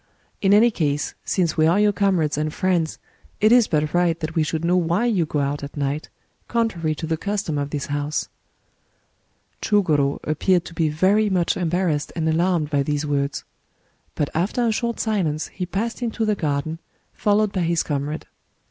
In any case, since we are your comrades and friends, it is but right that we should know why you go out at night, contrary to the custom of this house." Chugoro appeared to be very much embarrassed and alarmed by these words. But after a short silence he passed into the garden, followed by his comrade.